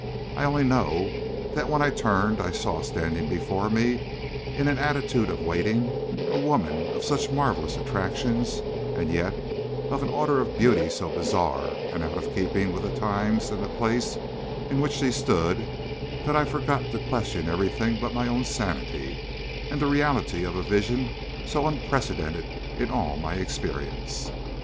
I only know that when I turned, I saw standing before me, in an attitude of waiting, a woman of such marvelous attractions, and yet of an order of beauty so bizarre and out of keeping with the times and the place in which she stood, that I forgot to question everything but my own sanity and the reality of a vision so unprecedented in all my experience.